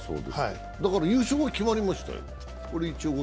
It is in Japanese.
だから優勝が決まりましたよ。